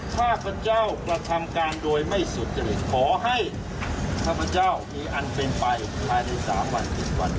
ถ้าพระเจ้ากระทำการโดยไม่สุดขอให้ถ้าพระเจ้ามีอันเป็นไปใครได้สามวันกี่วัน